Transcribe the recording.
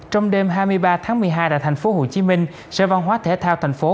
trong đêm hai mươi ba tháng một mươi hai tại thành phố hồ chí minh sở văn hóa thể thao thành phố